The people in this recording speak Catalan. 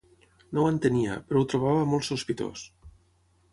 No ho entenia, però ho trobava molt sospitós